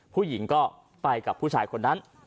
ผู้หญิงก็ไปกับผู้ชายคนนั้น